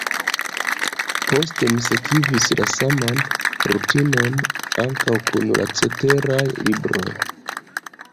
Poste mi sekvis la saman rutinon ankaŭ kun la ceteraj libroj.